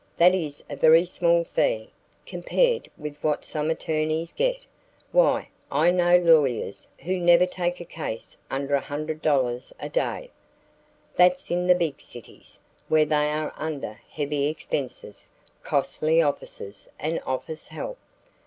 That is a very small fee, compared with what some attorneys get. Why, I know lawyers who never take a case under $100 a day." "That's in the big cities, where they are under heavy expenses costly offices and office help."